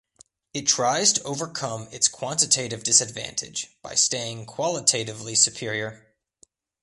It tries to overcome its quantitative disadvantage by staying qualitatively superior.